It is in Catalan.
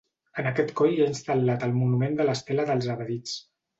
En aquest coll hi ha instal·lat el monument de l'Estela dels evadits.